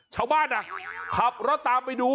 ชาวบ้านขับรถตามไปดู